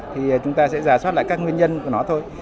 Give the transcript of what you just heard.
thì chúng ta sẽ giả soát lại các nguyên nhân của nó thôi